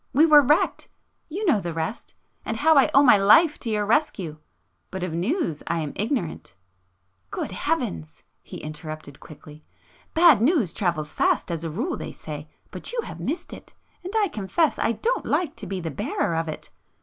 We were wrecked, ... you know the rest, and how I owe my life to your rescue. But of news I am ignorant ..." "Good heavens!" he interrupted quickly—"Bad news travels fast as a rule they say,—but you have missed it ... and I confess I don't like to be the bearer of it